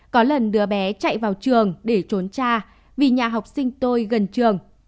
có lần đưa bé chạy vào trường để trốn cha vì nhà học sinh tôi gần trường